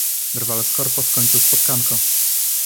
Drwal z korpo skończył spotkanko.